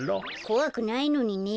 こわくないのにね。